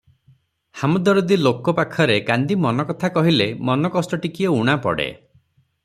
ହାମଦରଦୀ ଲୋକ ପାଖରେ କାନ୍ଦି ମନକଥା କହିଲେ ମନକଷ୍ଟ ଟିକିଏ ଊଣା ପଡ଼େ ।